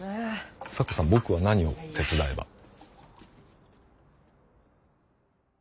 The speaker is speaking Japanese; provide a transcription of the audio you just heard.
咲子さん僕は何を手伝えば？